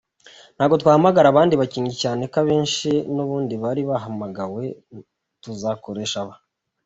Ntabwo twahamagara abandi bakinnyi cyane ko abenshi n’ubundi bari bahamagawe, tuzakoresha aba.